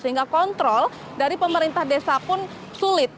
sehingga kontrol dari pemerintah desa pun sulit